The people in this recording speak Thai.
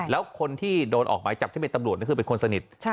แล้วคนที่โดนออกหมายจับที่เป็นตำรวจก็คือเป็นคนสนิท